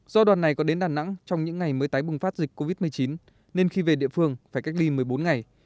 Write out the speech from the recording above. do đoàn này có đến đà nẵng trong những ngày mới tái bùng phát dịch covid một mươi chín nên khi về địa phương phải cách ly một mươi bốn ngày